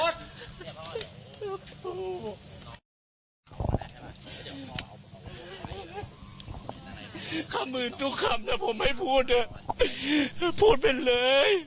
โถ่คำอื่นทุกคำนะผมไม่พูดอ่ะพูดเป็นเลย